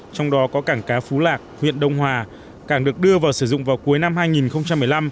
trong đó có cảng cá phú lạc huyện đông hòa cảng được đưa vào sử dụng vào cuối năm hai nghìn một mươi năm